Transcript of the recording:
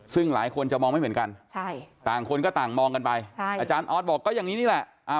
ซึ่งหลายคนจะมองไม่เหมือนกันต่างคนก็ต่างมองกันไปอาจารย์ออสบอกก็อย่างนี้นี่แหละ